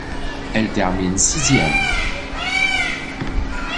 Elle termine sixième.